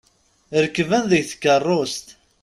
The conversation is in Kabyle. Rekben deg tkerrust.